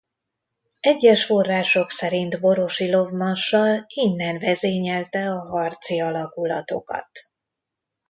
Egyes források szerint Vorosilov marsall innen vezényelte a harci alakulatokat.